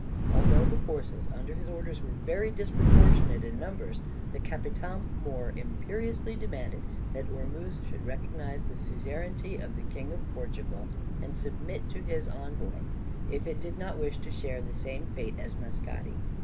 Although the forces under his orders were very disproportionate in numbers, the Capitam mõr imperiously demanded that Ormuz should recognize the suzerainty of the King of Portugal and submit to his envoy, if it did not wish to share the same fate as Mascati.